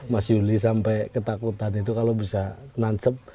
mas yuli sampai ketakutan itu kalau bisa nansep